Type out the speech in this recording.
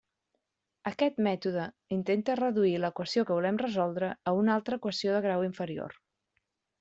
Aquest mètode intenta reduir l'equació que volem resoldre a una altra equació de grau inferior.